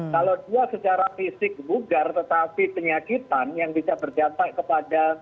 kalau dia secara fisik bugar tetapi penyakitan yang bisa berdampak kepada